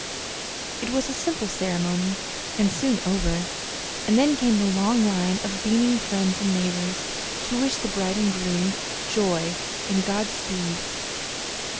It was a simple ceremony and soon over, and then came the long line of beaming friends and neighbors to wish the bride and groom joy and God speed.